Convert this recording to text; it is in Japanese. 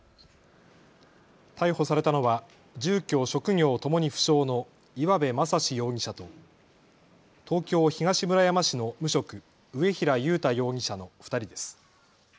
逮捕されたのは住居、職業ともに不詳の岩部真心容疑者と東京東村山市の無職、上平悠太容疑者の２人です。